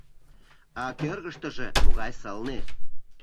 А кӧргыштыжӧ могай сылне!